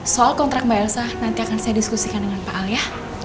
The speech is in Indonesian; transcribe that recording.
soal kontrak mbak elsa nanti akan saya diskusikan dengan pak alia